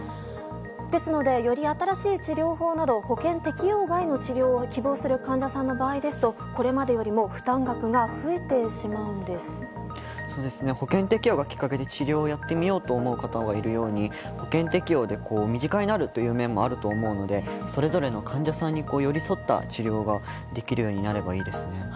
ですので、より新しい治療法など保険適用外の治療を希望する患者さんの場合ですとこれまでよりも保険適用がきっかけで治療をやってみようと思う方がいるように保険適用で身近になるという面もあると思うのでそれぞれの患者さんに寄り添った治療ができるようになればいいですね。